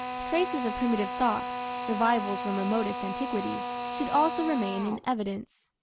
Traces of primitive thought survivals from remotest antiquity should also remain in evidence.